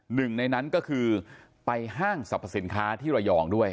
หนึ่งในนั้นก็คือไปห้างสรรพสินค้าที่ระยองด้วย